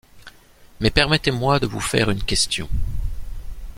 Mais permettez-moi de vous faire une question.